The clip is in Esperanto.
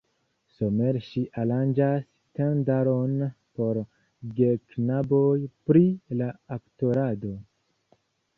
Somere ŝi aranĝas tendaron por geknaboj pri la aktorado.